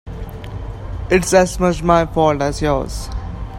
It's as much my fault as yours.